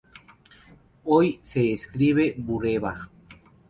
Hoy se escribe Bureba.